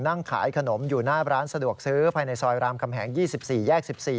นั่งขายขนมอยู่หน้าร้านสะดวกซื้อภายในซอยรามคำแหง๒๔แยก๑๔